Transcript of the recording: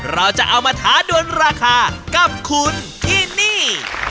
เราจะเอามาท้าดวนราคากับคุณที่นี่